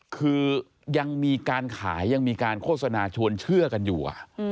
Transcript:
คือยังมีการขายยังมีการโฆษณาชวนเชื่อกันอยู่